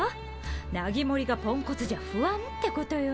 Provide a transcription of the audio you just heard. ナギモリがポンコツじゃ不安ってことよ。